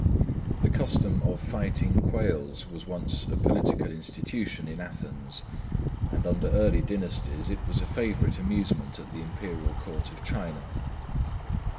The custom of fighting quails was once a political institution in Athens, and under early dynasties it was a favourite amusement at the Imperial Court of China.